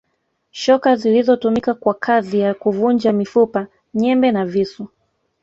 Shoka zilizotumika kwa kazi ya kuvunja mifupa nyembe na visu